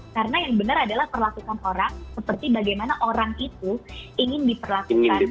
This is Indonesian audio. karena yang benar adalah perlakukan orang seperti bagaimana orang itu ingin diperlakukan